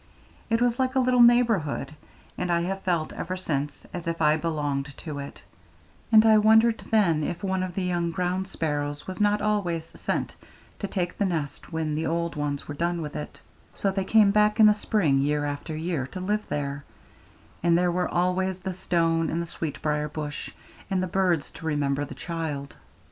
It was like a little neighborhood, and I have felt ever since as if I belonged to it; and I wondered then if one of the young ground sparrows was not always sent to take the nest when the old ones were done with it, so they came back in the spring year after year to live there, and there were always the stone and the sweet brier bush and the birds to remember the child.